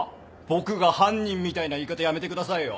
僕が犯人みたいな言い方やめてくださいよ。